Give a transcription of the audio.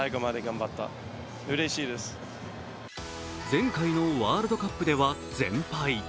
前回のワールドカップでは全敗。